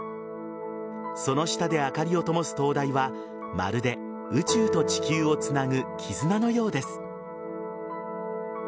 その下で明かりを灯す灯台はまるで宇宙と地球をつなぐ絆のようです。